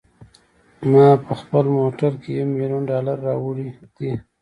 ما په خپل موټر کې یو میلیون ډالره راوړي دي.